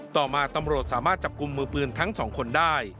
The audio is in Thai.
ต่อมาตำรวจสามารถจับกลุ่มมือปืนทั้งสองคนได้